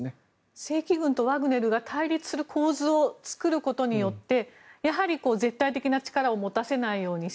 正規軍とワグネルが対立する構図を作ることによってやはり絶対的な力を持たせないようにし